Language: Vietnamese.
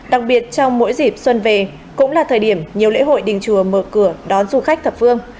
đặc biệt trong mỗi dịp xuân về cũng là thời điểm nhiều lễ hội đình chùa mở cửa đón du khách thập phương